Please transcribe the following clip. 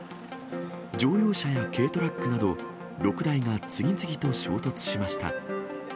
乗用車や軽トラックなど、６台が次々と衝突しました。